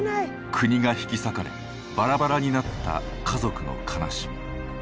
国が引き裂かれバラバラになった家族の悲しみ。